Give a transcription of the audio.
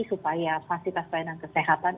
supaya fasilitas pelayanan kesehatan